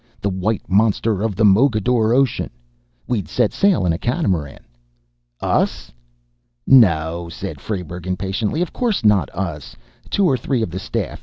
The White Monster of the Mogador Ocean. We'd set sail in a catamaran " "Us?" "No," said Frayberg impatiently. "Of course not us. Two or three of the staff.